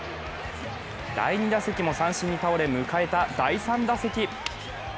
第２打席も三振に倒れ、迎えた第３打席。